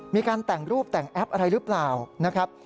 มีการแต่งรูปแต่งแอปอะไรหรือเปล่านะครับ